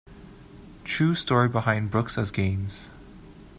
True Story Behind Brooks as Gaines.